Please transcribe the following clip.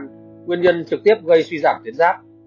nguyên nhân trực tiếp gây suy giảm tuyến rác